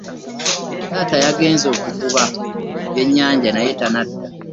Taata yagenze kuvuba bye nyanja naye tanada.